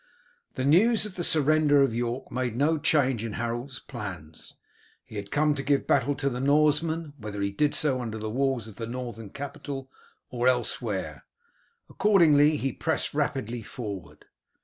The news of the surrender of York made no change in Harold's plans. He had come to give battle to the Norsemen, whether he did so under the walls of the northern capital or elsewhere; accordingly he pressed rapidly forward.